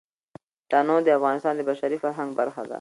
تنوع د افغانستان د بشري فرهنګ برخه ده.